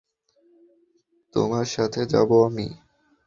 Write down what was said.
তোমার সাথে যাব আমি।